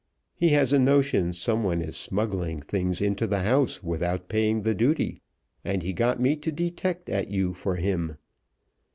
He has a notion someone is smuggling things into the house without paying the duty, and he got me to detect at you for him.